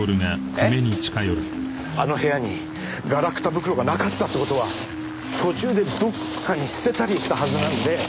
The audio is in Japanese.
あの部屋にガラクタ袋がなかったって事は途中でどっかに捨てたりしたはずなんで。